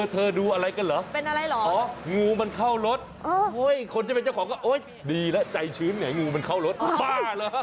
เธอดูอะไรกันเหรอเป็นอะไรเหรองูมันเข้ารถคนที่เป็นเจ้าของก็โอ๊ยดีแล้วใจชื้นไงงูมันเข้ารถบ้าเหรอ